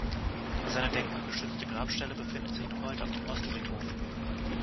Seine denkmalgeschützte Grabstelle befindet sich noch heute auf dem Ostfriedhof.